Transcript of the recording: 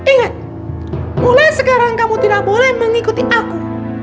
ingat mulai sekarang kamu tidak boleh mengikuti aku